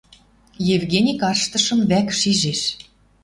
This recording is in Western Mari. Евгений карштышым вӓк шижеш.